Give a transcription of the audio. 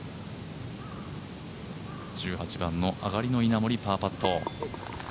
１８番の上がりの稲森パーパット。